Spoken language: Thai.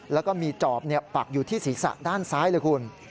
แล้วก็มีจอบปักอยู่ที่ศีรษะด้านซ้ายเลยคุณ